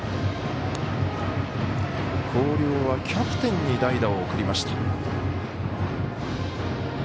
広陵はキャプテンに代打を送りました。